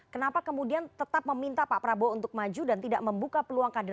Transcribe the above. kenapa kemudian tetap meminta pak prabowo untuk maju dan tidak membuka peluang kader